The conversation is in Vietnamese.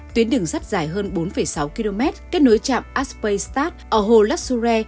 tuyến đường sắt dài hơn bốn sáu km kết nối chạm aspey stade ở hồ la sourère